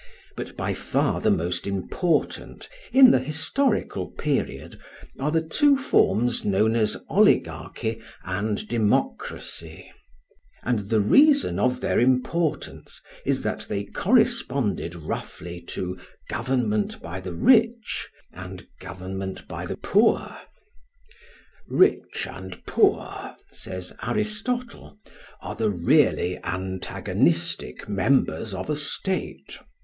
But by far the most important, in the historical period, are the two forms known as Oligarchy and Democracy; and the reason of their importance is that they corresponded roughly to government by the rich and government by the poor. "Rich and poor," says Aristotle, "are the really antagonistic members of a state.